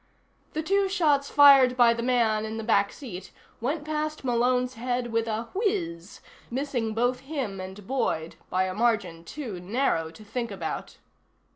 The two shots fired by the man in the back seat went past Malone's head with a whizz, missing both him and Boyd by a margin too narrow to think about.